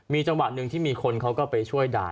จังหวะหนึ่งที่มีคนเขาก็ไปช่วยด่า